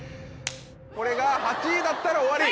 これが８位だったら終わり。